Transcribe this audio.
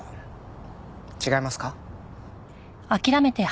違いますか？